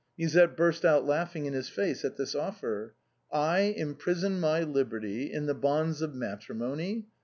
Musette burst out laughing in his face at this offer. " I imprison my liberty in the bonds of matrimony